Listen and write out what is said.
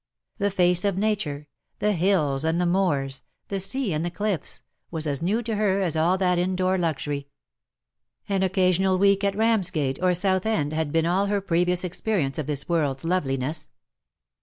The face IN SOCIETY. 1G7 of Nature — the hills and the moors — the sea and the cliffs — was as new to her as all that indoor luxury. An occasional week at Ramsgate or South end had been all her previous experience of this world''s loveliness.